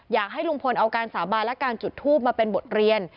อยากให้ลุงพลเอาการสาบานและการจุดทูปมาเป็นบทเรียน